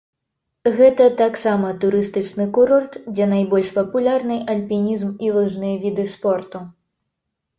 Гэта таксама турыстычны курорт, дзе найбольш папулярны альпінізм і лыжныя віды спорту.